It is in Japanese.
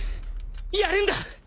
やるんだ！